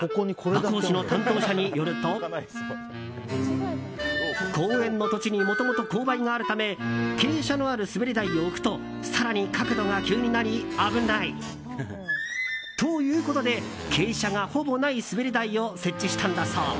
和光市の担当者によると公園の土地にもともと勾配があるため傾斜のある滑り台を置くと更に角度が急になり危ないということで傾斜がほぼない滑り台を設置したんだそう。